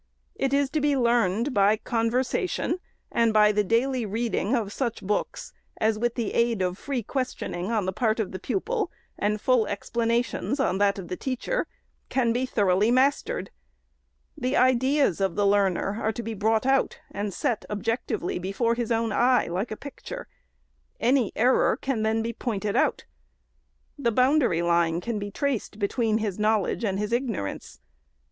It is to be learned by conversation, and by the daily reading of such books, as with the aid of free questioning on the part of the pupil, and full explanations on that of the teacher, can be thoroughly mastered. The ideas of the learner are to be brought out, and set, objectively, before his own eyes, like a picture. Any error can then be pointed out. The boundary line can be traced between his knowledge and his ignorance.